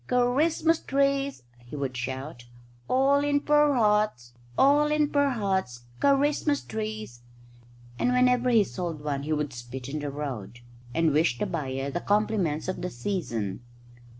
"Ker rismus trees," he would shout, "all in per hots. All in per hots, Ker rismus trees," and whenever he sold one he would spit in the road, and wish the buyer the compliments of the season.